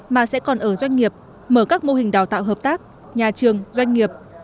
mà sẽ còn ở doanh nghiệp mở các mô hình đào tạo hợp tác nhà trường doanh nghiệp